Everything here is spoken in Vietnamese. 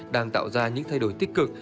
đang tạo ra những thay đổi tích cực